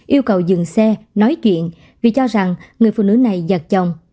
yêu cầu dừng xe nói chuyện vì cho rằng người phụ nữ này giặt chồng